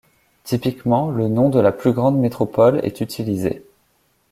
Typiquement, le nom de la plus grande métropole est utilisé.